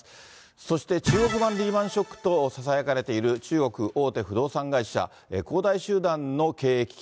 そして中国版リーマンショックとささやかれている、中国大手不動産会社、恒大集団の経営危機。